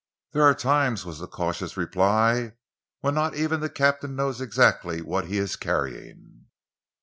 "There are times," was the cautious reply, "when not even the captain knows exactly what he is carrying."